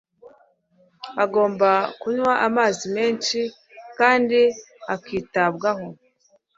agomba kunywa amazi menshi kandi akitabwaho